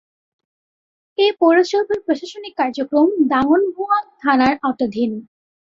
এ পৌরসভার প্রশাসনিক কার্যক্রম দাগনভূঞা থানার আওতাধীন।